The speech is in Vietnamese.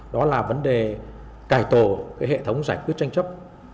đó là vấn đề cải tổ cái hệ thống giải quyết tranh chấp